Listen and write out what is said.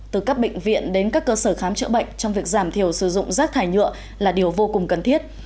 từ các bệnh viện đến các cơ sở khám chữa bệnh trong việc giảm thiểu sử dụng rác thải nhựa là điều vô cùng cần thiết